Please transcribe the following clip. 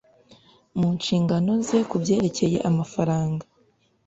mu nshingano ze ku byerekeye amafaranga